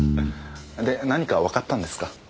で何かわかったんですか？